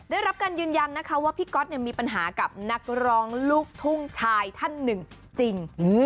ได้รับการยืนยันนะคะว่าพี่ก๊อตมีปัญหากับนักร้องลูกทุ่งชายท่านหนึ่งจริง